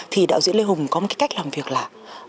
thì đạo diễn lê hùng có một cái cách làm việc là